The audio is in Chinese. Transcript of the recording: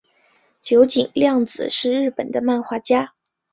九井谅子是日本的漫画家。